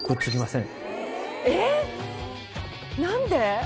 えっ！何で？